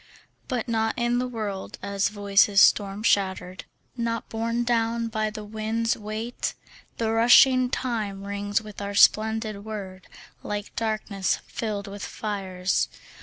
But not in the world as voices storm shatter'd, Not borne down by the wind's weight; The rushing time rings with our splendid word Like darkness filled with fires.